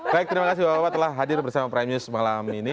baik terima kasih bapak bapak telah hadir bersama prime news malam ini